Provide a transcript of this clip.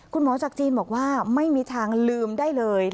จากจีนบอกว่าไม่มีทางลืมได้เลย